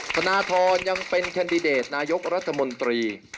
ธนทรยังเป็นแคนดิเดตนายกรัฐมนตรี